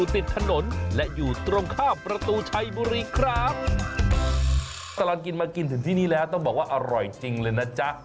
ตลาดกินมากินถึงที่นี่แล้วต้องบอกว่าอร่อยจริงเลยนะจ้ะ